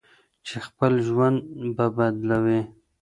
چې خپل ژوند به بدلوي.